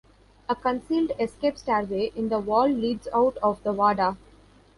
A concealed escape stairway in the wall leads out of the Wada.